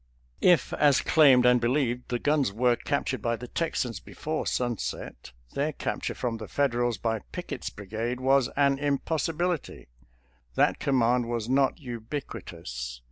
If, as claimed and believed, the guns were cap tured by the Texans before sunset, their capture from the Federals by Pickett's brigade was an impossibilily — that command was not ubiqui tous.